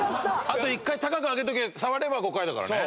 あと１回高く上げておけば触れば５回だからね。